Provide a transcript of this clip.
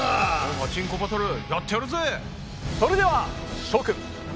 ガチンコバトルやってやるぜ！